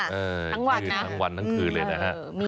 ทั้งวันนะครับอืมมียืดทั้งวันทั้งคืนเลยนะฮะ